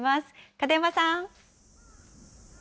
片山さん。